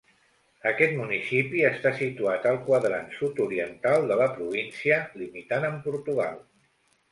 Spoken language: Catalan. Aquest municipi està situat al quadrant sud-oriental de la província, limitant amb Portugal.